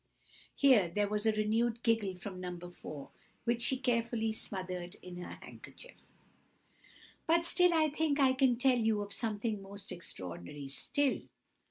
(Here there was a renewed giggle from No. 4, which she carefully smothered in her handkerchief.) "But still I think I can tell you of something more extraordinary still!"